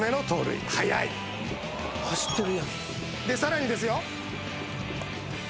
でさらにですよ。